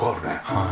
はい。